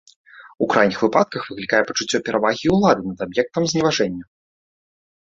У крайніх выпадках выклікае пачуццё перавагі і ўлады над аб'ектам зневажэння.